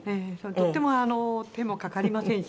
とっても手もかかりませんしね。